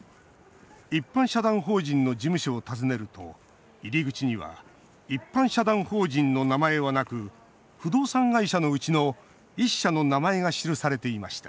一般社団法人の事務所を訪ねると入り口には一般社団法人の名前はなく不動産会社のうちの１社の名前が記されていました